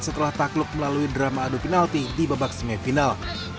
setelah takluk melalui drama adu penalti di babak semifinal